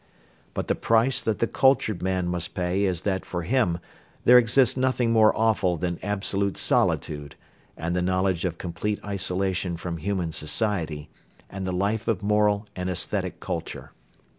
But the price that the cultured man must pay is that for him there exists nothing more awful than absolute solitude and the knowledge of complete isolation from human society and the life of moral and aesthetic culture.